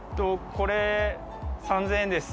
これ、３０００円です。